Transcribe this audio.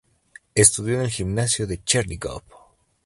Estudió en el gimnasio de Chernígov.